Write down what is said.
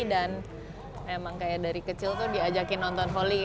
dan memang dari kecil diajakin nonton volley